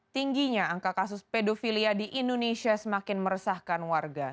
tingginya angka kasus pedofilia di indonesia semakin meresahkan warga